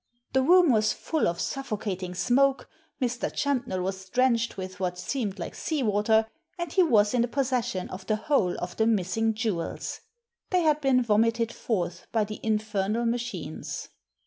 The room was full of suffo cating smoke, Mr. Champnell was drenched with what seemed like sea water, and he was in the possession of the whole of the missing jewels — they had been vomited forth by the infernal machines.